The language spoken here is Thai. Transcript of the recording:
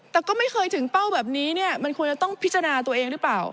แต่ก็ไม่เคยถึงเป้าแบบนี้เนี่ยมันควรจะต้องพิจารณาตัวเองหรือเปล่า